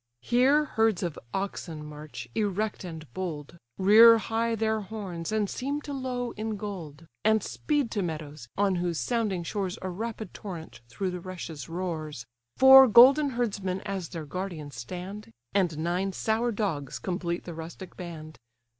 Here herds of oxen march, erect and bold, Rear high their horns, and seem to low in gold, And speed to meadows on whose sounding shores A rapid torrent through the rushes roars: Four golden herdsmen as their guardians stand, And nine sour dogs complete the rustic band.